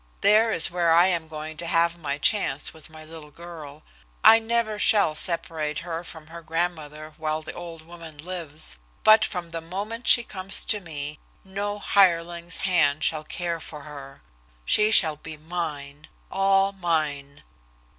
There is where I am going to have my chance with my little girl. I never shall separate her from her grandmother while the old woman lives, but from the moment she comes to me, no hireling's hand shall care for her she shall be mine, all mine."